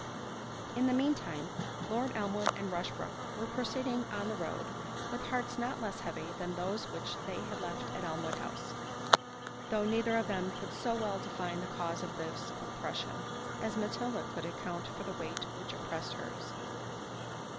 In the mean time, Lord Elmwood and Rushbrook were proceeding on the road, with hearts not less heavy than those which they had left at Elmwood House; though neither of them could so well define the cause of this oppression, as Matilda could account for the weight which oppressed her's.